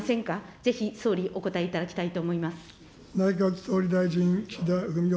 ぜひ総理、お答えいただきたいと思います。